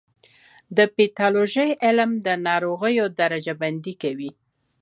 د پیتالوژي علم د ناروغیو درجه بندي کوي.